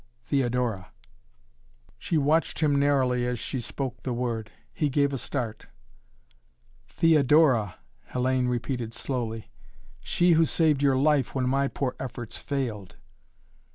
"Theodora!" She watched him narrowly as she spoke the word. He gave a start. "Theodora," Hellayne repeated slowly. "She who saved your life when my poor efforts failed."